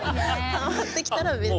たまってきたらベッて。